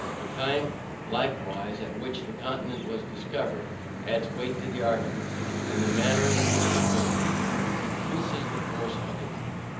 The time likewise at which the continent was discovered, adds weight to the argument, and the manner in which it was peopled encreases the force of it.